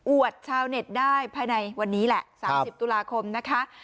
วดชาวเน็ตได้ภายในวันนี้แหละ๓๐ตุลาคมนะคะ